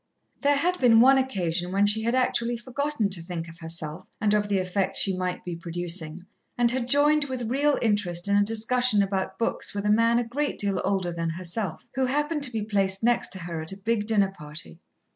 There had been one occasion when she had actually forgotten to think of herself and of the effect she might be producing, and had joined with real interest in a discussion about books with a man a great deal older than herself, who happened to be placed next to her at a big dinner party.